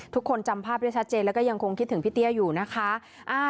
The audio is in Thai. ทุกคนจำภาพได้ชัดเจนแล้วก็ยังคงคิดถึงพี่เตี้ยอยู่นะคะ